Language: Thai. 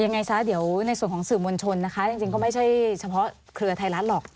ยังไงซะเดี๋ยวในส่วนของสื่อมวลชนนะคะจริงก็ไม่ใช่เฉพาะเครือไทยรัฐหรอก